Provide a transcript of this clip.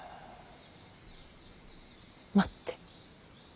待って。